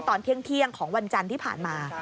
ตอนเที่ยงของวันจันทร์ที่ผ่านมา